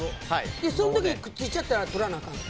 その時にくっついちゃったらとらないとあかん？